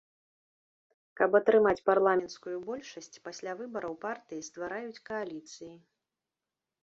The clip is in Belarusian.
Каб атрымаць парламенцкую большасць, пасля выбараў партыі ствараюць кааліцыі.